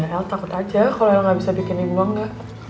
ya el takut aja kalo el gak bisa bikin ibu bangga